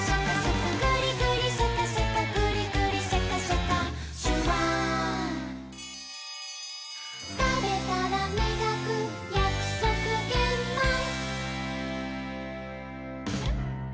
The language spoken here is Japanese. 「グリグリシャカシャカグリグリシャカシャカ」「シュワー」「たべたらみがくやくそくげんまん」